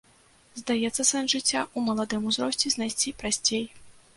Здаецца, сэнс жыцця ў маладым узросце знайсці прасцей.